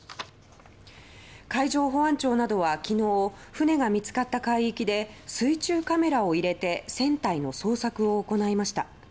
海上保安庁などは昨日、船が見つかった海域で水中カメラを入れて船体の捜索を行いました。